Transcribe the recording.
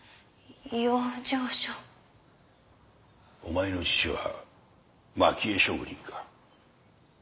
お前の父は蒔絵職人か？